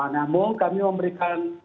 namun kami memberikan penyelesaian